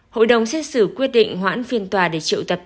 hội đồng xét xử quyết định hoãn phiên tòa để chịu tập tuấn